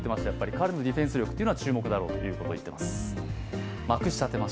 彼のディフェンス力というのは注目だろうと言っています。